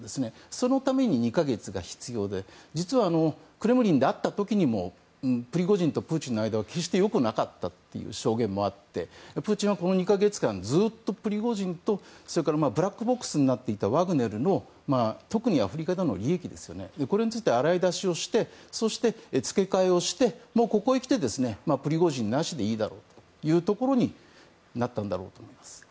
そのために２か月が必要で実は、クレムリンで会った時にもプリゴジンとプーチンの間は決して良くなかったという証言もあってプーチンはこの２か月間ずっとプリゴジンとそれからブラックボックスになっていたワグネルの特にアフリカでの利益について洗い出しをしてそして、付け替えをしてここへきてプリゴジンはなしでいいだろうというところになったんだろうと思います。